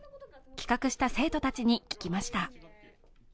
企画した生徒たちに聞きました。